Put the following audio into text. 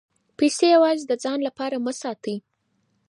پیسې یوازې د ځان لپاره مه ساتئ.